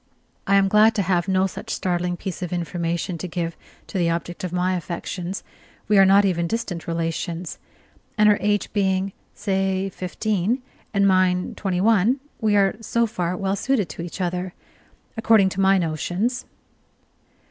I am glad to have no such startling piece of information to give to the object of my affections: we are not even distant relations, and her age being, say, fifteen, and mine twenty one, we are so far well suited to each other, according to my notions.